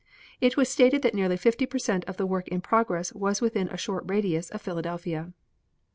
It was stated that nearly fifty per cent of the work in progress was within a short radius of Philadelphia.